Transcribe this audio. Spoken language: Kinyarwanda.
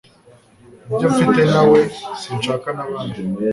Ibyo mfite nawe, sinshaka nabandi.